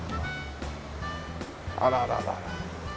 あららら。